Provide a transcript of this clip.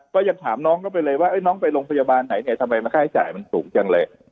ก็ยังถามน้องเข้าไปเลยว่าน้องไปโรงพยาบาลไหนเนี่ยทำไมมาค่าจ่ายมันสูงจังเลย